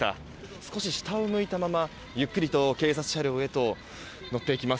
少し下を向いたまま、ゆっくりと警察車両へ乗っていきます。